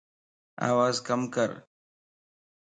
آواز ڪَم ڪر